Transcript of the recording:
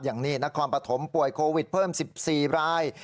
นครนี่นครปฐมป่วยโควิดเพิ่ม๑๔ราย